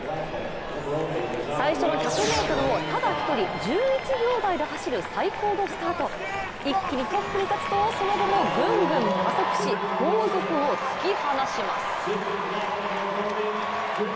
最初の１００ｍをただ１人１１秒台で走る最高のスタート、一気にトップに立つとその後もぐんぐん加速し後続を突き放します。